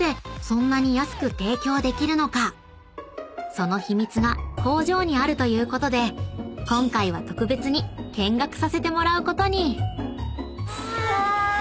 ［その秘密が工場にあるということで今回は特別に見学させてもらうことに］来た！